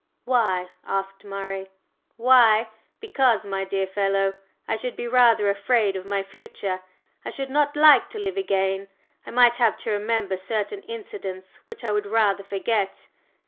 "Why?" asked Murray. "Why? Because, my dear fellow, I should be rather afraid of my future. I should not like to live again; I might have to remember certain incidents which I would rather forget.